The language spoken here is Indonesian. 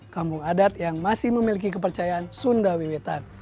kampung adat yang masih memiliki kepercayaan sunda wiwitan